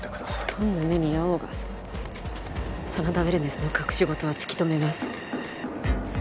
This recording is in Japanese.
どんな目に遭おうが真田ウェルネスの隠し事は突き止めます